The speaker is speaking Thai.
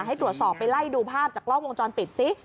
ให้ตรวจสอบไปไล่ดูภาพจากกล้องวงจรปิดซิ